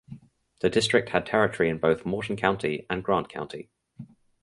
The district had territory in both Morton County and Grant County.